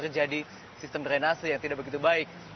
jadi sistem drenase yang tidak begitu baik